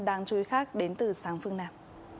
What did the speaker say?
đáng chú ý khác đến từ sáng phương nam